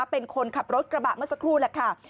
เป็นคนขับรถกระบะเมื่อสักครู่แหละค่ะ